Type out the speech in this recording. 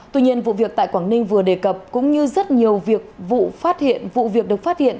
tuy nhiên vụ việc tại quảng ninh vừa đề cập cũng như rất nhiều vụ việc được phát hiện